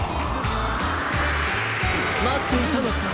まっていたのさ